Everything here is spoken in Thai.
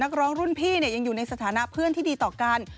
ร้องรุ่นพี่ยังอยู่ในสถานะเพื่อนที่ดีต่อกัน